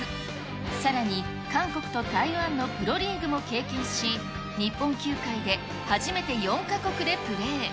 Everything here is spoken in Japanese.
さらに韓国と台湾のプロリーグも経験し、日本球界で初めて４か国でプレー。